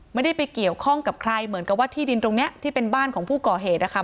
ไม่ได้ไปเกี่ยวข้องกับใครเหมือนกับว่าที่ดินตรงนี้ที่เป็นบ้านของผู้ก่อเหตุนะคะ